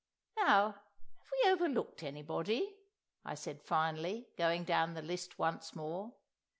"Now, have we overlooked anybody?" I said finally, going down the list once more.